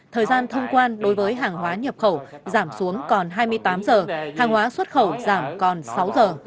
thời gian thông quan đối với hàng hóa nhập khẩu giảm xuống còn hai mươi tám giờ hàng hóa xuất khẩu giảm còn sáu giờ